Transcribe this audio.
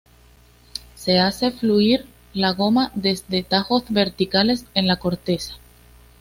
Se hace fluir la goma desde tajos verticales en la corteza.